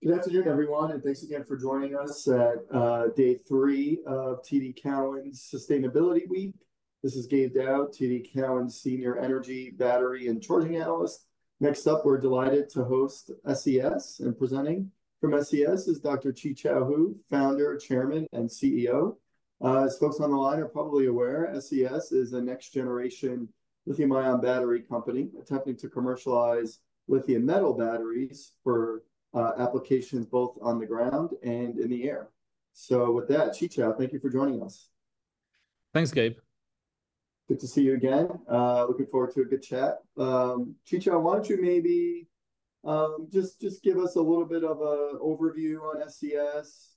Good afternoon, everyone, and thanks again for joining us at day three of TD Cowen Sustainability Week. This is Gabe Daoud, TD Cowen Senior Energy, Battery, and Charging Analyst. Next up, we're delighted to host SES, and presenting from SES is Dr. Qichao Hu, Founder, Chairman, and CEO. As folks on the line are probably aware, SES is a next-generation lithium-ion battery company attempting to commercialize lithium metal batteries for applications both on the ground and in the air. So with that, Qichao, thank you for joining us. Thanks, Gabe. Good to see you again. Looking forward to a good chat. Qichao, why don't you maybe just give us a little bit of an overview on SES?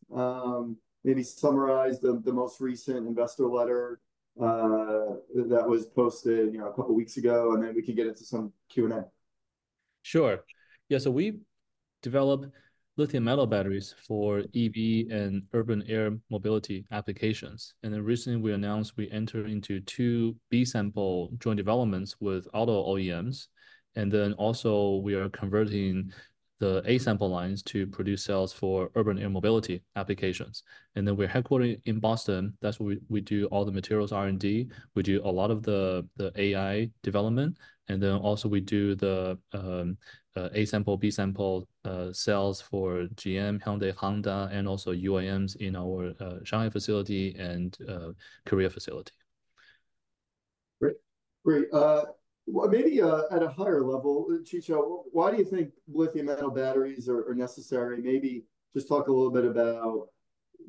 Maybe summarize the most recent investor letter that was posted, you know, a couple weeks ago, and then we can get into some Q&A. Sure. Yeah, so we develop lithium metal batteries for EV and urban air mobility applications. And then recently we announced we entered into two B-sample joint developments with auto OEMs. And then also we are converting the A-sample lines to produce cells for urban air mobility applications. And then we're headquartered in Boston. That's where we do all the materials R&D. We do a lot of the AI development, and then also we do the A-sample, B-sample cells for GM, Hyundai, Honda, and also UAMs in our Shanghai facility and Korea facility. Great. Great. Well, maybe at a higher level, Qichao, why do you think lithium-metal batteries are necessary? Maybe just talk a little bit about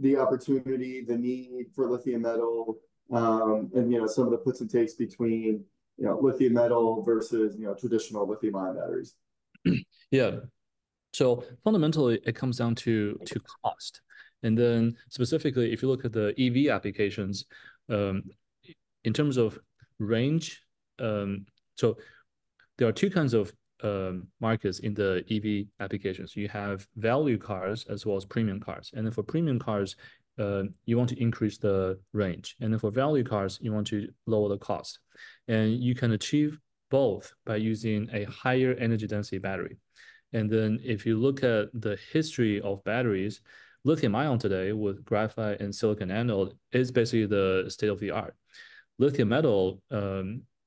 the opportunity, the need for lithium metal, and, you know, some of the puts and takes between, you know, lithium metal versus, you know, traditional lithium-ion batteries. Yeah. So fundamentally, it comes down to cost. And then specifically, if you look at the EV applications, in terms of range. So there are two kinds of markets in the EV applications. You have value cars as well as premium cars, and then for premium cars, you want to increase the range, and then for value cars, you want to lower the cost. And you can achieve both by using a higher energy density battery. And then if you look at the history of batteries, lithium-ion today, with graphite and silicon anode, is basically the state-of-the-art. Lithium metal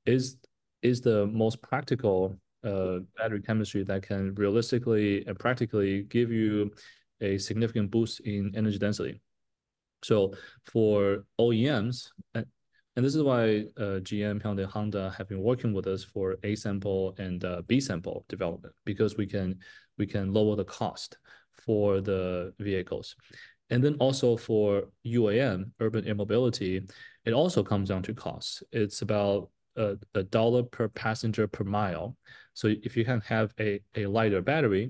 is the most practical battery chemistry that can realistically and practically give you a significant boost in energy density. So for OEMs, and, and this is why, GM, Hyundai, Honda have been working with us for A-sample and, B-sample development, because we can, we can lower the cost for the vehicles. And then also for UAM, urban air mobility, it also comes down to cost. It's about, $1 per passenger per mile. So if you can have a, a lighter battery,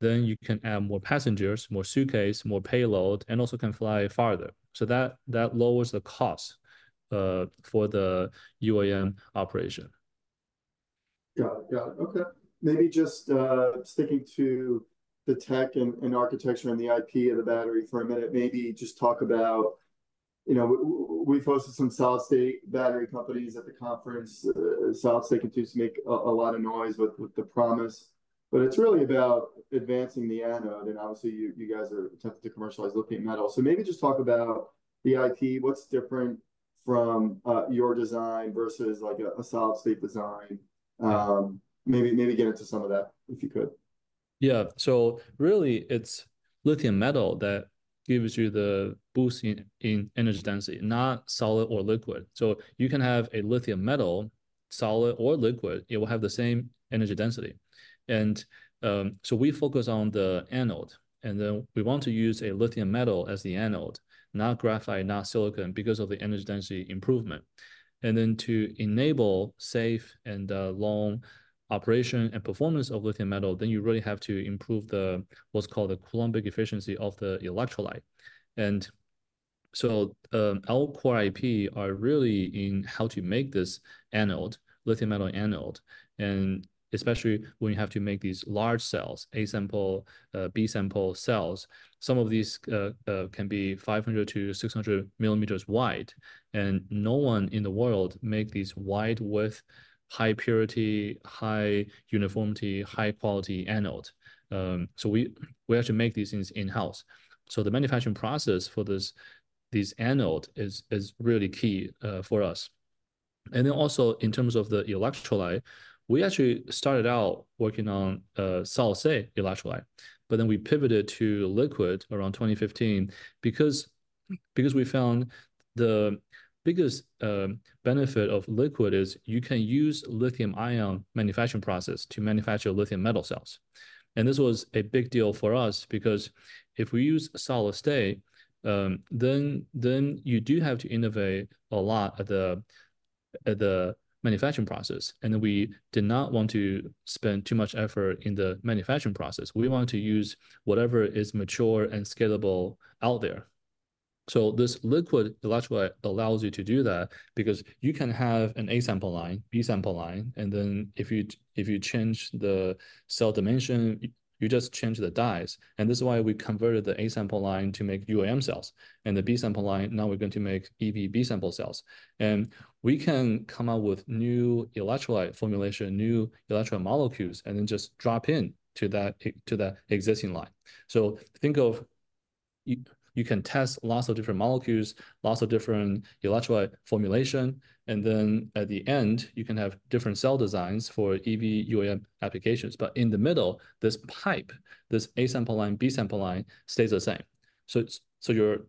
then you can add more passengers, more suitcase, more payload, and also can fly farther. So that, that lowers the cost, for the UAM operation. Got it, got it. Okay. Maybe just sticking to the tech and architecture and the IP of the battery for a minute, maybe just talk about, you know, we've hosted some solid-state battery companies at the conference. Solid-state continues to make a lot of noise with the promise, but it's really about advancing the anode, and obviously you guys are attempting to commercialize lithium metal. So maybe just talk about the IP. What's different from your design versus, like, a solid-state design? Maybe get into some of that, if you could. Yeah. So really, it's lithium metal that gives you the boost in energy density, not solid or liquid. So you can have a lithium metal, solid or liquid, it will have the same energy density. And so we focus on the anode, and then we want to use a lithium metal as the anode, not graphite, not silicon, because of the energy density improvement. And then to enable safe and long operation and performance of lithium metal, then you really have to improve what's called the Coulombic efficiency of the electrolyte. And so, our core IP are really in how to make this anode, lithium metal anode, and especially when you have to make these large cells, A-sample, B-sample cells. Some of these can be 500-600 mm wide, and no one in the world make these wide width, high purity, high uniformity, high quality anode. So we actually make these things in-house. So the manufacturing process for this anode is really key for us. And then also in terms of the electrolyte, we actually started out working on solid-state electrolyte, but then we pivoted to liquid around 2015 because we found the biggest benefit of liquid is you can use lithium-ion manufacturing process to manufacture lithium metal cells. And this was a big deal for us, because if we use solid-state, then you do have to innovate a lot at the manufacturing process, and we did not want to spend too much effort in the manufacturing process. We want to use whatever is mature and scalable out there. So this liquid electrolyte allows you to do that because you can have an A-sample line, B-sample line, and then if you, if you change the cell dimension, you just change the dies. And this is why we converted the A-sample line to make UAM cells, and the B-sample line, now we're going to make EV B-sample cells. And we can come up with new electrolyte formulation, new electrolyte molecules, and then just drop in to that existing line. So think of you, you can test lots of different molecules, lots of different electrolyte formulation, and then at the end, you can have different cell designs for EV UAM applications. But in the middle, this pipe, this A-sample line, B-sample line, stays the same. So, your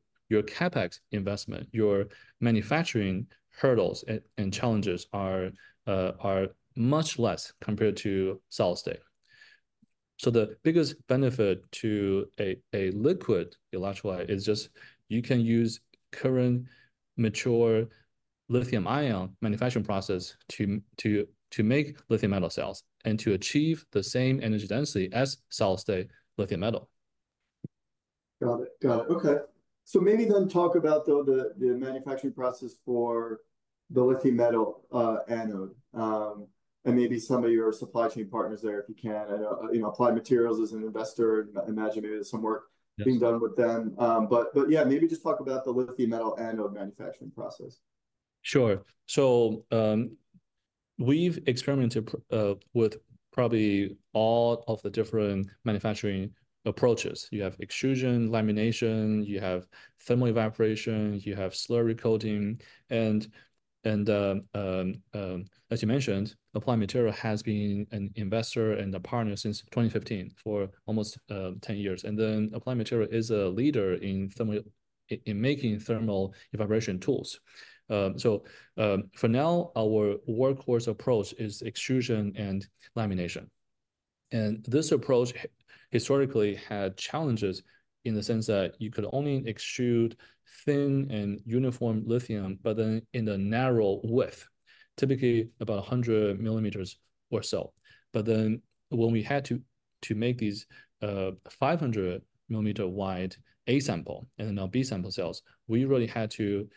CapEx investment, your manufacturing hurdles and challenges are much less compared to solid-state. So the biggest benefit to a liquid electrolyte is just you can use current mature lithium-ion manufacturing process to make lithium metal cells and to achieve the same energy density as solid-state lithium metal. Got it, got it. Okay. So maybe then talk about, though, the manufacturing process for the lithium metal anode, and maybe some of your supply chain partners there, if you can. I know, you know, Applied Materials is an investor. I imagine there's some work- Yes... being done with them. But yeah, maybe just talk about the lithium metal anode manufacturing process. Sure. So, we've experimented with probably all of the different manufacturing approaches. You have extrusion, lamination, you have thermal evaporation, you have slurry coating, and as you mentioned, Applied Materials has been an investor and a partner since 2015, for almost 10 years. And then Applied Materials is a leader in thermal, in making thermal evaporation tools. So, for now, our workhorse approach is extrusion and lamination. And this approach historically had challenges in the sense that you could only extrude thin and uniform lithium, but then in a narrow width, typically about 100 mm or so. But then when we had to make these 500-mm wide A-sample and now B-sample cells, we really had to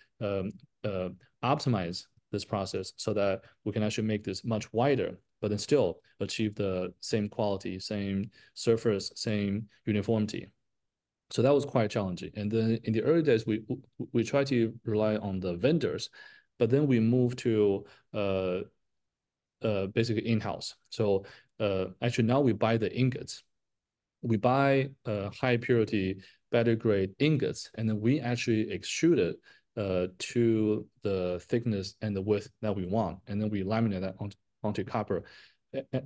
optimize this process so that we can actually make this much wider, but then still achieve the same quality, same surface, same uniformity. So that was quite challenging. And then in the early days, we tried to rely on the vendors, but then we moved to basically in-house. So actually, now we buy the ingots. We buy high-purity, better grade ingots, and then we actually extrude it to the thickness and the width that we want, and then we laminate that onto copper.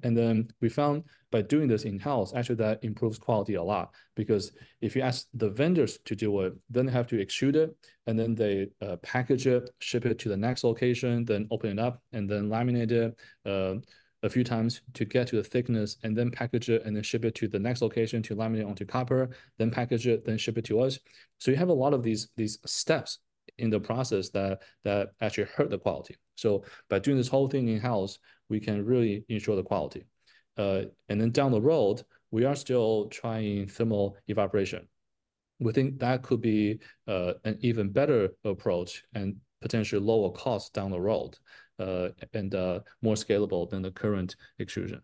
And then we found by doing this in-house, actually, that improves quality a lot, because if you ask the vendors to do it, then they have to extrude it, and then they package it, ship it to the next location, then open it up, and then laminate it a few times to get to the thickness, and then package it, and then ship it to the next location to laminate it onto copper, then package it, then ship it to us. So you have a lot of these steps in the process that actually hurt the quality. So by doing this whole thing in-house, we can really ensure the quality. And then down the road, we are still trying thermal evaporation. We think that could be an even better approach and potentially lower cost down the road, and more scalable than the current extrusion.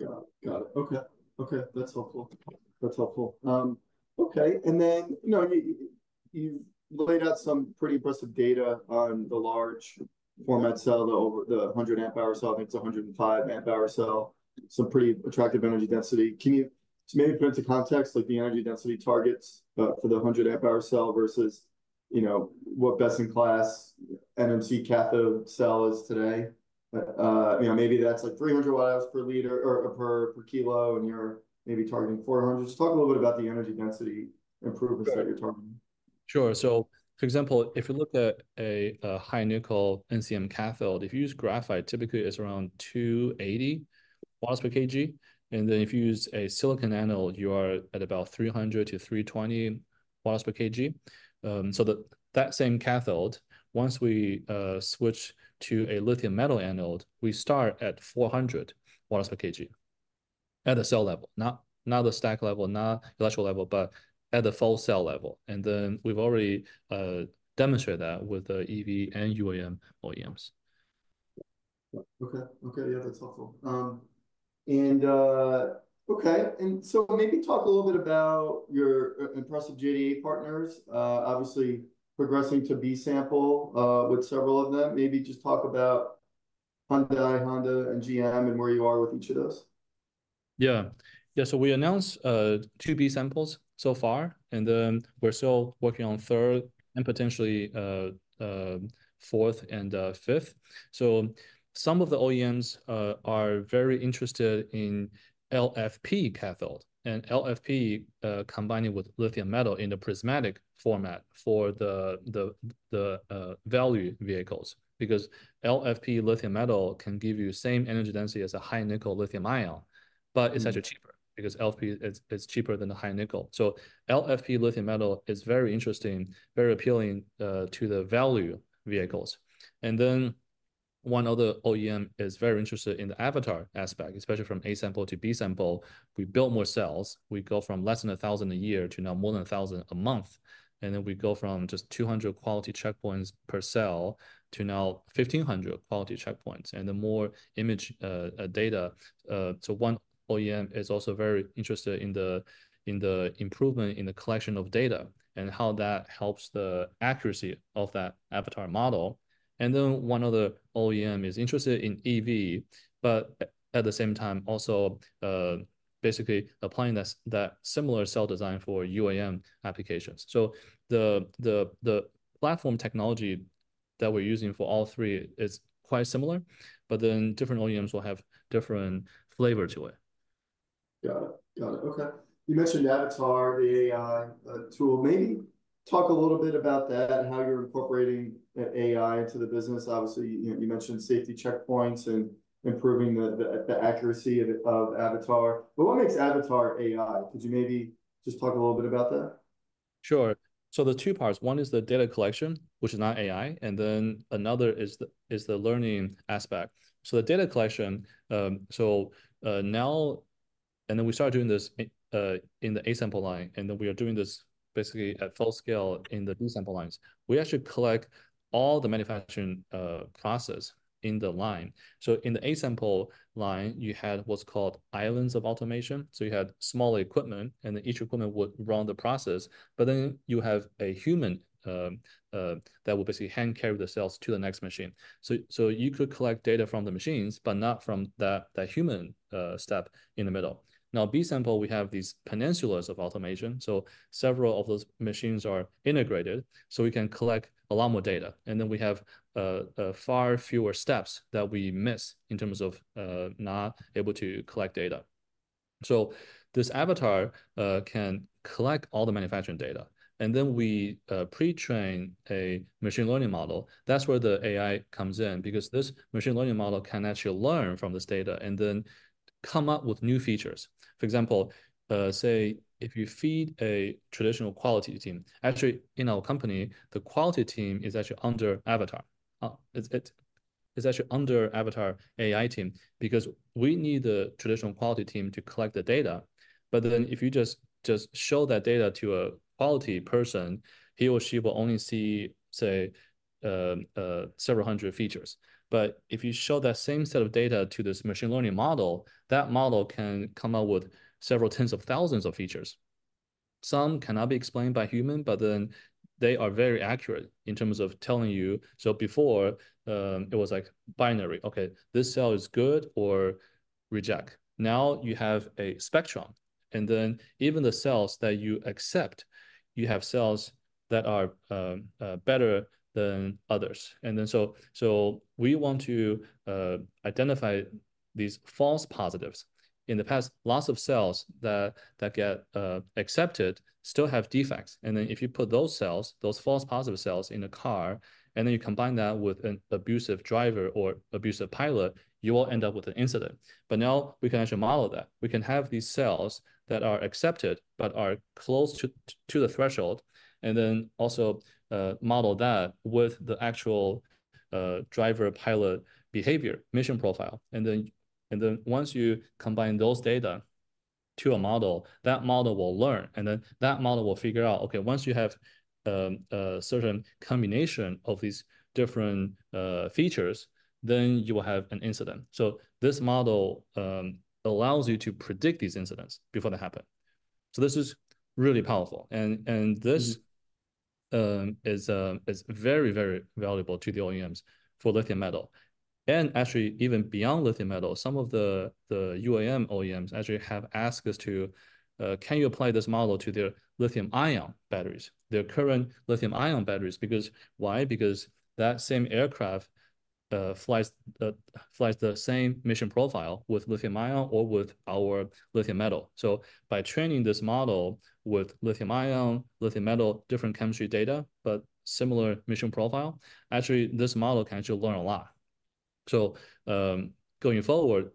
Got it. Got it. Okay. Okay, that's helpful. That's helpful. Okay, and then, you know, you've laid out some pretty impressive data on the large format cell, the 100Ah cell, I think it's a 105 amp hour cell, so pretty attractive energy density. Can you, so maybe put into context, like the energy density targets, for the 100Ah cell versus, you know, what best-in-class NMC cathode cell is today? You know, maybe that's like 300 watts per liter, or per kilo, and you're maybe targeting 400. Just talk a little bit about the energy density improvements that you're targeting. Sure. So for example, if you look at a high-nickel NCM cathode, if you use graphite, typically it's around 280 watts per kg, and then if you use a silicon anode, you are at about 300-320 watts per kg. So that same cathode, once we switch to a lithium metal anode, we start at 400 watts per kg at the cell level, not the stack level, not electrical level, but at the full cell level. And then we've already demonstrated that with the EV and UAM OEMs. Okay. Okay, yeah, that's helpful. And, okay, and so maybe talk a little bit about your impressive JDA partners. Obviously progressing to B-sample with several of them. Maybe just talk about Hyundai, Honda, and GM, and where you are with each of those. Yeah. Yeah, so we announced 2 B-samples so far, and then we're still working on third and potentially fourth and fifth. So some of the OEMs are very interested in LFP cathode, and LFP combining with lithium metal in a prismatic format for the value vehicles, because LFP lithium metal can give you the same energy density as a high-nickel lithium-ion- Mm... but it's actually cheaper because LFP is cheaper than the high nickel. So LFP lithium metal is very interesting, very appealing to the value vehicles. And then one other OEM is very interested in the Avatar aspect, especially from A-sample to B-sample. We build more cells. We go from less than 1,000 a year to now more than 1,000 a month. And then we go from just 200 quality checkpoints per cell to now 1,500 quality checkpoints, and the more image data. So one OEM is also very interested in the improvement in the collection of data and how that helps the accuracy of that Avatar model. And then one other OEM is interested in EV, but at the same time, also basically applying that similar cell design for UAM applications. So the platform technology that we're using for all three is quite similar, but then different OEMs will have different flavor to it. Got it. Got it. Okay. You mentioned Avatar, the AI tool. Maybe talk a little bit about that and how you're incorporating the AI into the business. Obviously, you mentioned safety checkpoints and improving the accuracy of Avatar, but what makes Avatar AI? Could you maybe just talk a little bit about that? Sure. So there are two parts. One is the data collection, which is not AI, and then another is the learning aspect. So the data collection, and then we started doing this in the A-sample line, and then we are doing this basically at full scale in the B-sample lines. We actually collect all the manufacturing processes in the line. So in the A-sample line, you had what's called islands of automation. So you had small equipment, and then each equipment would run the process, but then you have a human that would basically hand-carry the cells to the next machine. So you could collect data from the machines, but not from the human step in the middle. Now, B-sample, we have these islands of automation, so several of those machines are integrated, so we can collect a lot more data. And then we have far fewer steps that we miss in terms of not able to collect data. So this Avatar can collect all the manufacturing data, and then we pre-train a machine learning model. That's where the AI comes in, because this machine learning model can actually learn from this data and then come up with new features. For example, say, if you feed a traditional quality team... Actually, in our company, the quality team is actually under Avatar. It is actually under the Avatar AI team, because we need the traditional quality team to collect the data, but then if you just show that data to a quality person, he or she will only see, say, several hundred features. But if you show that same set of data to this machine learning model, that model can come up with several tens of thousands of features. Some cannot be explained by human, but then they are very accurate in terms of telling you. So before, it was like binary, "Okay, this cell is good or reject." Now, you have a spectrum, and then even the cells that you accept, you have cells that are better than others. So we want to identify these false positives. In the past, lots of cells that get accepted still have defects, and then if you put those cells, those false positive cells, in a car, and then you combine that with an abusive driver or abusive pilot, you will end up with an incident. But now we can actually model that. We can have these cells that are accepted but are close to the threshold, and then also model that with the actual driver or pilot behavior, mission profile. And then once you combine those data to a model, that model will learn, and then that model will figure out, okay, once you have a certain combination of these different features, then you will have an incident. So this model allows you to predict these incidents before they happen. So this is really powerful, and this- Mm-hmm... is very, very valuable to the OEMs for lithium metal. And actually, even beyond lithium metal, some of the UAM OEMs actually have asked us to apply this model to their lithium-ion batteries, their current lithium-ion batteries. Because why? Because that same aircraft flies the same mission profile with lithium-ion or with our lithium metal. So by training this model with lithium-ion, lithium metal, different chemistry data, but similar mission profile, actually, this model can actually learn a lot. So, going forward,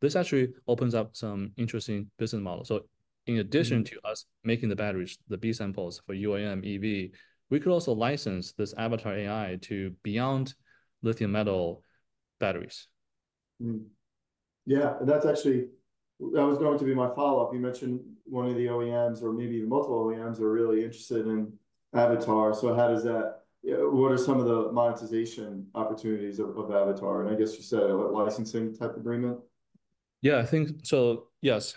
this actually opens up some interesting business models. So in addition- Mm-hmm... to us making the batteries, the B-sample for UAM EV, we could also license this Avatar AI to beyond lithium metal batteries. Mm-hmm. Yeah, that's actually that was going to be my follow-up. You mentioned one of the OEMs or maybe even multiple OEMs are really interested in Avatar. So how does that... Yeah, what are some of the monetization opportunities of Avatar? And I guess you said a licensing type agreement? Yeah, I think so. Yes,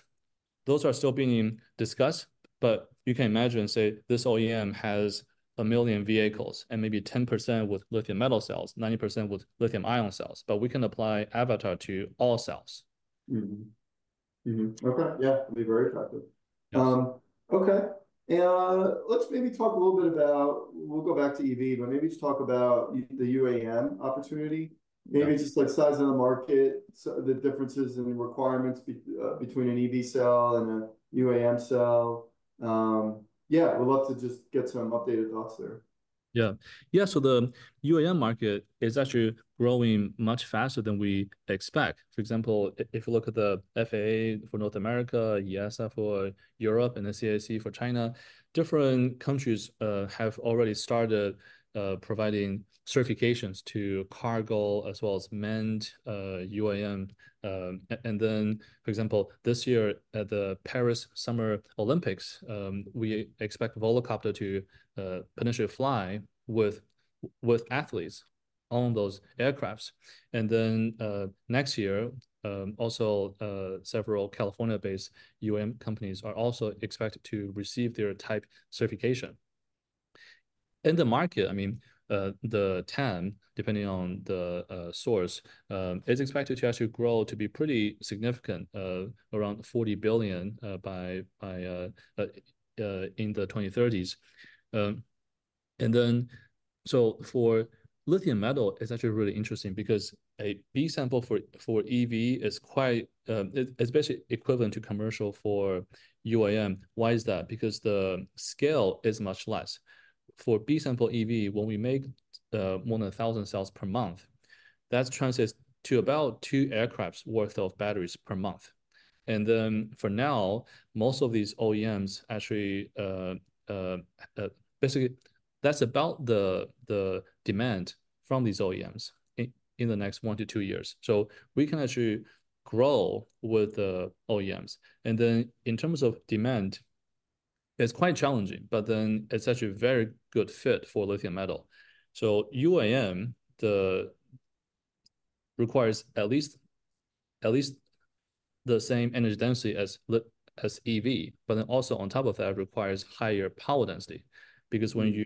those are still being discussed, but you can imagine, say, this OEM has 1 million vehicles and maybe 10% with lithium metal cells, 90% with lithium-ion cells, but we can apply Avatar to all cells. Mm-hmm. Mm-hmm. Okay, yeah, that'd be very effective. Yes. Okay. Let's maybe talk a little bit about... We'll go back to EV, but maybe just talk about the UAM opportunity. Okay. Maybe just, like, size of the market, so the differences in the requirements between an EV cell and a UAM cell. Yeah, we'd love to just get some updated thoughts there. Yeah. Yeah, so the UAM market is actually growing much faster than we expect. For example, if you look at the FAA for North America, EASA for Europe, and the CAAC for China, different countries have already started providing certifications to cargo as well as manned UAM. And then, for example, this year at the Paris Summer Olympics, we expect Volocopter to potentially fly with athletes on those aircrafts. And then, next year, also, several California-based UAM companies are also expected to receive their type certification. In the market, I mean, the TAM, depending on the source, is expected to actually grow to be pretty significant, around $40 billion by in the 2030s. So-... and then, so for lithium metal, it's actually really interesting because a B-sample for EV is quite, it's basically equivalent to commercial for UAM. Why is that? Because the scale is much less. For B-sample EV, when we make more than 1,000 cells per month, that translates to about two aircrafts' worth of batteries per month. And then, for now, most of these OEMs actually basically, that's about the demand from these OEMs in the next 1 to 2 years. So we can actually grow with the OEMs. And then in terms of demand, it's quite challenging, but then it's actually a very good fit for lithium metal. So UAM requires at least the same energy density as lithium-ion as EV, but then also on top of that, requires higher power density. Because when you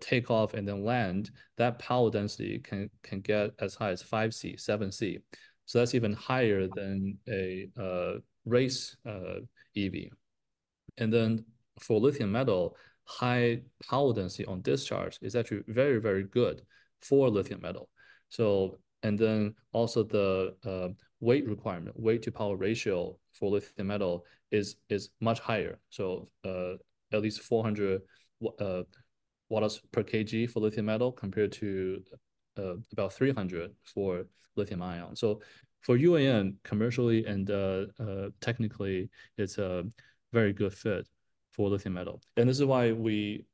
take off and then land, that power density can get as high as 5C, 7C, so that's even higher than a race EV. And then for lithium metal, high power density on discharge is actually very, very good for lithium metal. So... And then also the weight requirement, weight-to-power ratio for lithium metal is much higher, so at least 400 watts per kg for lithium metal, compared to about 300 for lithium-ion. So for UAM, commercially and technically, it's a very good fit for lithium metal. And this is why we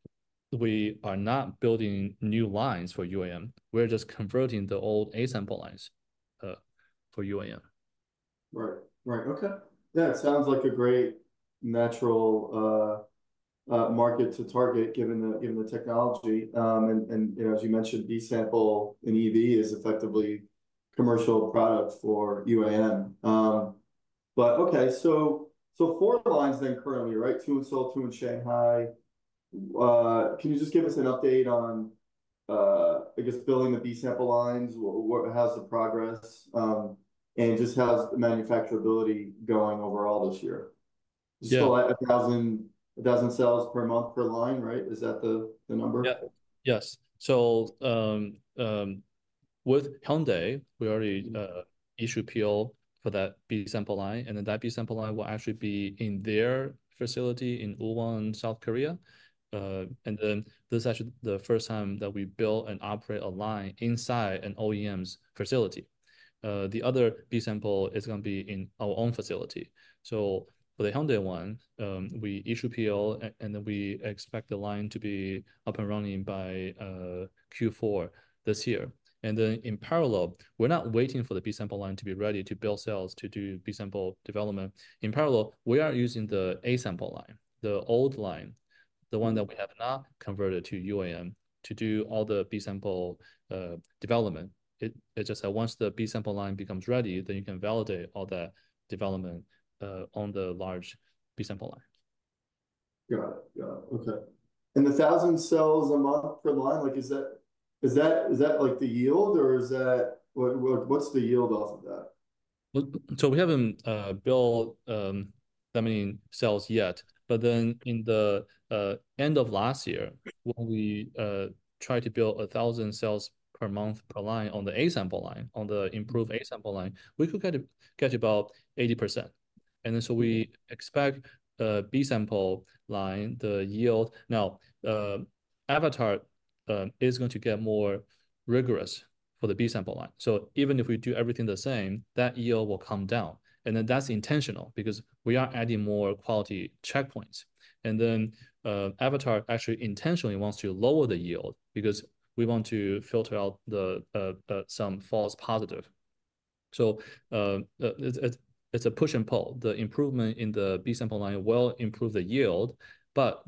are not building new lines for UAM, we're just converting the old A-sample lines for UAM. Right. Right, okay. Yeah, it sounds like a great natural market to target, given the technology. And, you know, as you mentioned, B-sample in EV is effectively commercial product for UAM. But okay, so four lines then currently, right? Two in Seoul, two in Shanghai. Can you just give us an update on, I guess, building the B-sample lines, what—how's the progress, and just how's the manufacturability going overall this year? Yeah. Still at 1,000, 1,000 cells per month per line, right? Is that the, the number? Yeah. Yes. So, with Hyundai, we already issued PO for that B-sample line, and then that B-sample line will actually be in their facility in Uiwang, South Korea. And then this is actually the first time that we build and operate a line inside an OEM's facility. The other B-sample is gonna be in our own facility. So for the Hyundai one, we issue PO, and then we expect the line to be up and running by Q4 this year. And then, in parallel, we're not waiting for the B-sample line to be ready to build cells to do B-sample development. In parallel, we are using the A-sample line, the old line, the one that we have not converted to UAM, to do all the B-sample development. It's just that once the B-sample line becomes ready, then you can validate all the development on the large B-sample line. Got it. Yeah, okay. And the 1,000 cells a month per line, like, is that the yield, or is that... What, what's the yield off of that? Well, so we haven't built that many cells yet. But then in the end of last year, when we tried to build 1,000 cells per month per line on the A-sample line, on the improved A-sample line, we could get about 80%. And then, so we expect B-sample line, the yield... Now, Avatar is going to get more rigorous for the B-sample line. So even if we do everything the same, that yield will come down, and then that's intentional, because we are adding more quality checkpoints. And then, Avatar actually intentionally wants to lower the yield, because we want to filter out some false positive. So, it's a push and pull. The improvement in the B-sample line will improve the yield, but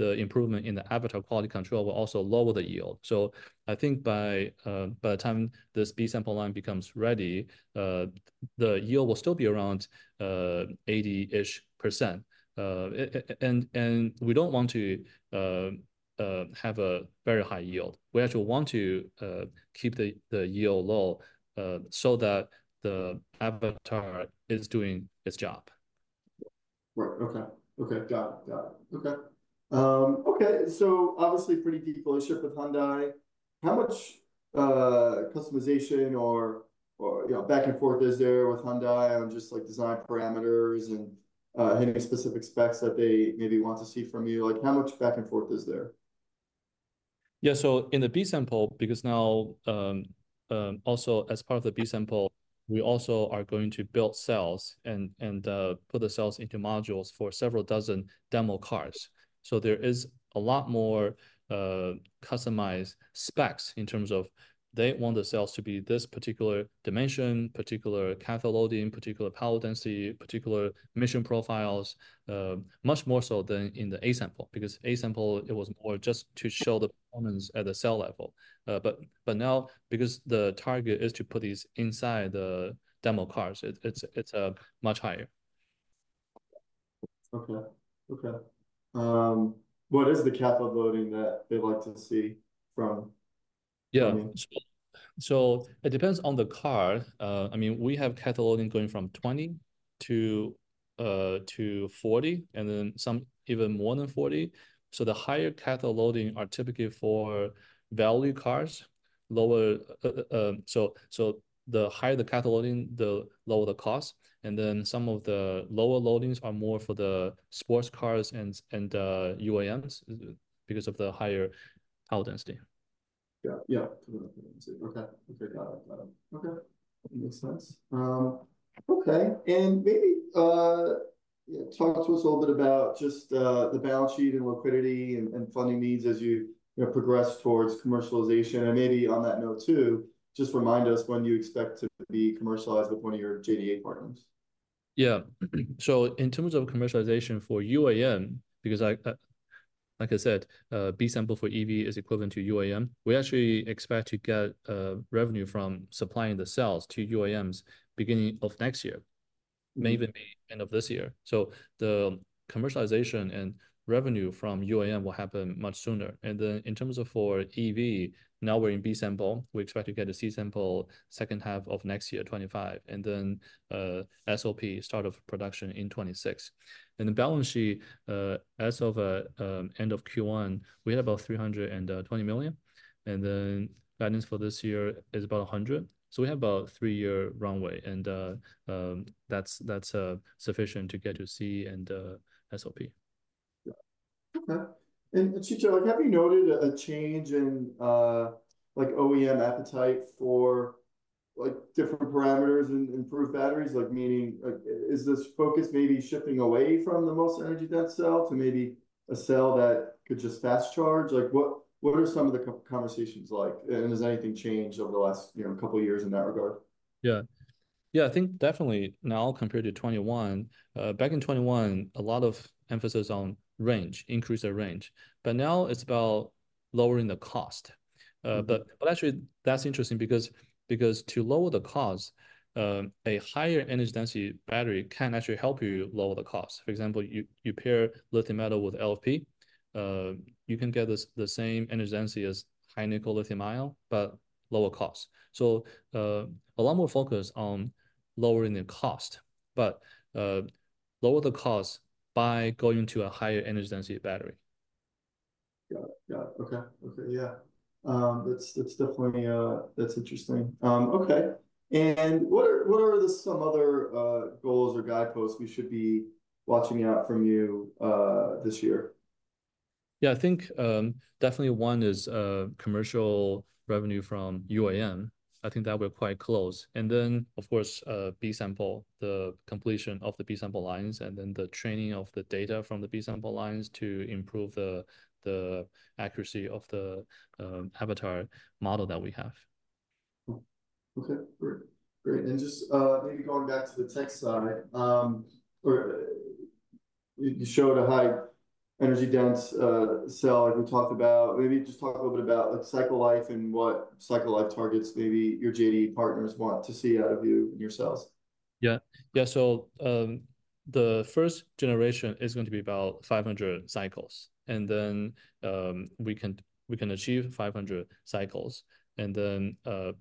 the improvement in the Avatar quality control will also lower the yield. So I think by the time this B-sample line becomes ready, the yield will still be around 80-ish%. And we don't want to have a very high yield. We actually want to keep the yield low so that the Avatar is doing its job. Right. Okay, okay. Got it, got it. Okay. Okay, so obviously pretty deep relationship with Hyundai. How much customization or, or, you know, back and forth is there with Hyundai on just, like, design parameters and any specific specs that they maybe want to see from you? Like, how much back and forth is there? Yeah, so in the B-sample, because now, also as part of the B-sample, we also are going to build cells and put the cells into modules for several dozen demo cars. So there is a lot more customized specs in terms of they want the cells to be this particular dimension, particular cathode loading, particular power density, particular mission profiles, much more so than in the A-sample. Because A-sample, it was more just to show the performance at the cell level. But now, because the target is to put these inside the demo cars, it's much higher. Okay, okay. What is the cathode loading that they'd like to see from-... Yeah. So, so it depends on the car. I mean, we have cathode loading going from 20-40, and then some even more than 40. So the higher cathode loading are typically for value cars. Lower, so, so the higher the cathode loading, the lower the cost, and then some of the lower loadings are more for the sports cars and, and, UAMs, because of the higher power density. Yeah, yeah. Okay. Okay, got it. Got it. Okay, makes sense. Okay, and maybe, yeah, talk to us a little bit about just the balance sheet and liquidity and funding needs as you, you know, progress towards commercialization. And maybe on that note, too, just remind us when you expect to be commercialized with one of your JDA partners. Yeah. So in terms of commercialization for UAM, because like I said, B-sample for EV is equivalent to UAM. We actually expect to get revenue from supplying the cells to UAMs beginning of next year. Maybe end of this year. So the commercialization and revenue from UAM will happen much sooner. And then in terms of for EV, now we're in B-sample. We expect to get a C-sample second half of next year, 2025, and then SOP, start of production, in 2026. And the balance sheet as of end of Q1, we had about $320 million, and then guidance for this year is about $100 million. So we have about a 3-year runway, and that's sufficient to get to C and SOP. Yeah. Okay. And Qichao, like, have you noted a change in, like, OEM appetite for, like, different parameters in EV batteries? Like, meaning, like, is this focus maybe shifting away from the most energy dense cell to maybe a cell that could just fast charge? Like, what, what are some of the conversations like? And has anything changed over the last, you know, couple of years in that regard? Yeah. Yeah, I think definitely now compared to 2021. Back in 2021, a lot of emphasis on range, increase of range, but now it's about lowering the cost. But actually, that's interesting because to lower the cost, a higher energy density battery can actually help you lower the cost. For example, you pair lithium metal with LFP, you can get the same energy density as high-nickel lithium ion, but lower cost. So, a lot more focus on lowering the cost, but lower the cost by going to a higher energy density battery. Got it, got it. Okay. Okay, yeah. That's definitely interesting. Okay, and what are some other goals or guideposts we should be watching out from you this year? Yeah, I think, definitely one is, commercial revenue from UAM. I think that we're quite close. And then, of course, B-sample, the completion of the B-sample lines, and then the training of the data from the B-sample lines to improve the accuracy of the Avatar model that we have. Okay, great. Great, and just, maybe going back to the tech side, or you showed a high energy dense, cell, like we talked about. Maybe just talk a little bit about, like, cycle life and what cycle life targets maybe your JDA partners want to see out of you and your cells. Yeah. Yeah, so, the first generation is going to be about 500 cycles, and then, we can, we can achieve 500 cycles. And then,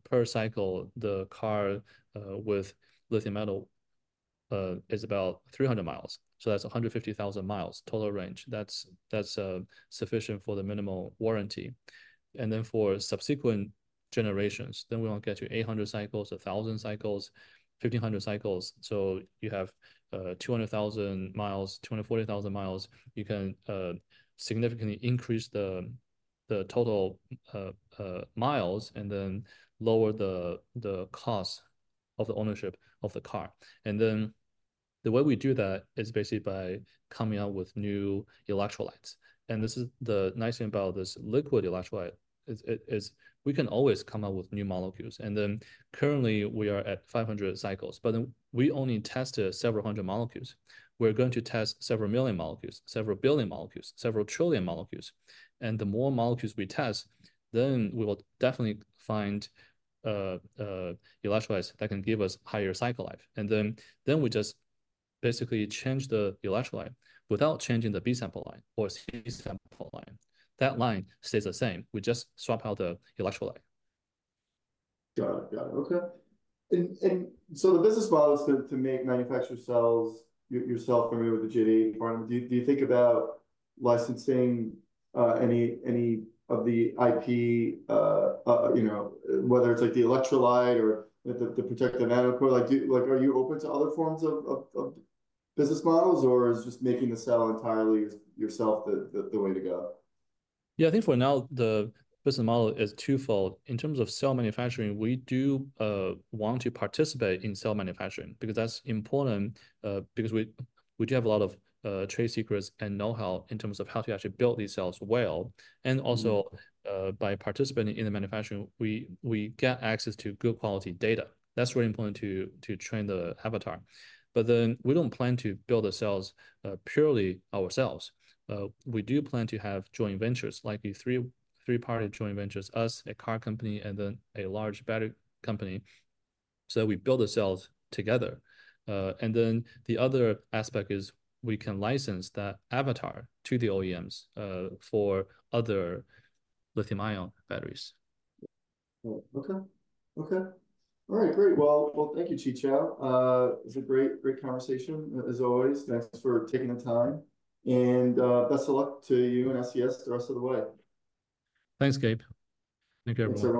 per cycle, the car, with lithium metal, is about 300 miles. So that's 150,000 miles total range. That's, that's, sufficient for the minimal warranty. And then for subsequent generations, then we want to get to 800 cycles, 1,000 cycles, 1,500 cycles. So you have, 200,000 miles, 240,000 miles. You can, significantly increase the, the total, miles and then lower the, the cost of the ownership of the car. And then the way we do that is basically by coming out with new electrolytes. And this is the nice thing about this liquid electrolyte is we can always come up with new molecules, and then currently we are at 500 cycles, but then we only tested several hundred molecules. We're going to test several million molecules, several billion molecules, several trillion molecules. And the more molecules we test, then we will definitely find electrolytes that can give us higher cycle life. And then we just basically change the electrolyte without changing the B-sample line or C-sample line. That line stays the same, we just swap out the electrolyte. Got it, got it. Okay. So the business model is to manufacture cells yourself, familiar with the JDA partner. Do you think about licensing any of the IP, you know, whether it's like the electrolyte or the protected nano core? Like, are you open to other forms of business models, or is just making the cell entirely yourself the way to go? Yeah, I think for now, the business model is twofold. In terms of cell manufacturing, we do want to participate in cell manufacturing, because that's important, because we, we do have a lot of trade secrets and know-how in terms of how to actually build these cells well. And also, by participating in the manufacturing, we, we get access to good quality data. That's really important to train the Avatar. But then, we don't plan to build the cells purely ourselves. We do plan to have joint ventures, likely 3-party joint ventures: us, a car company, and then a large battery company. So we build the cells together. And then the other aspect is we can license that Avatar to the OEMs for other lithium-ion batteries. Well, okay. Okay. All right, great! Well, well, thank you, Qichao. It's a great, great conversation, as always. Thanks for taking the time and best of luck to you and SES the rest of the way. Thanks, Gabe. Thank you, everyone.